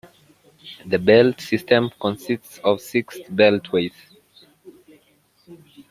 The Belt System consists of six beltways.